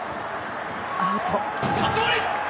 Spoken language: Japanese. アウト。